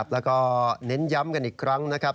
แล้วก็เน้นย้ำกันอีกครั้งนะครับ